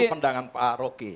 ya itu pendangan pak roki